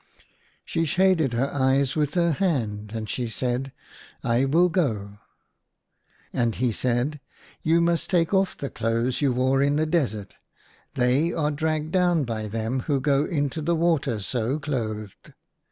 She shaded her eyes with her hand ; and she said, " I will go." And he said, You must take off the clothes you wore in the desert : they are dragged down by them who go into the water so clothed."